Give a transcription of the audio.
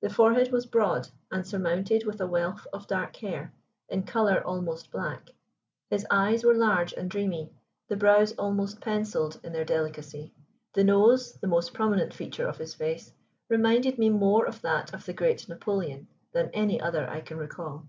The forehead was broad, and surmounted with a wealth of dark hair, in color almost black. His eyes were large and dreamy, the brows almost pencilled in their delicacy; the nose, the most prominent feature of his face, reminded me more of that of the great Napoleon than any other I can recall.